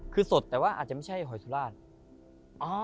คือสดแต่ว่าอาจจะไม่ใช่หอยสุราช